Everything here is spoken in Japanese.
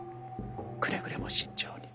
くれぐれも慎重に。